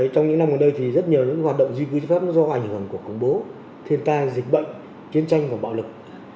trong những năm qua đây thì rất nhiều những hoạt động duy quý pháp do ảnh hưởng của công bố thiên ta dịch bệnh chiến tranh và bạo lực